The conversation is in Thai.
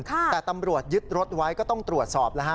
แต่ตำรวจยึดรถไว้ก็ต้องตรวจสอบแล้วฮะ